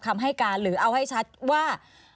คำให้การหรือเอาให้ชัดว่า